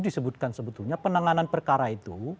disebutkan sebetulnya penanganan perkara itu